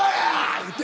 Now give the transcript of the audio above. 言うて。